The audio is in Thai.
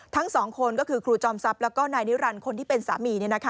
ทั้งสองคนก็คือครูจอมทรัพย์แล้วก็นายนิรันดิ์คนที่เป็นสามี